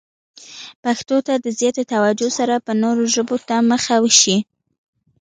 پښتو ته د زیاتې توجه سره به نورو ژبو ته مخه وشي.